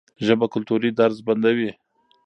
ژبه کلتوري درز بندوي.